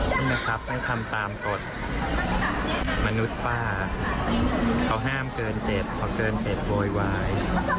นี่นะครับให้ทำตามกฎมนุษย์ป้าเขาห้ามเกินเจ็บเขาเกินเจ็บโวยวาย